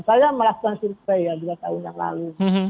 saya melakukan survei ya dua tahun yang lalu